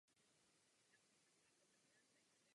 Obě rasy ho hojně používají.